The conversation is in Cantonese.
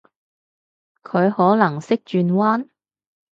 佢可能識轉彎？